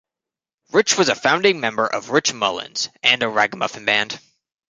Rick was a founding member of Rich Mullins and a Ragamuffin Band.